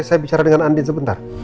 saya bicara dengan andi sebentar